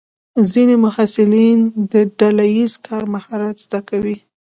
ځینې محصلین د ډله ییز کار مهارت زده کوي.